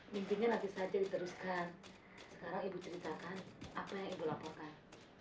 mimpinya nanti saja diteruskan sekarang ibu ceritakan apa yang ibu laporkan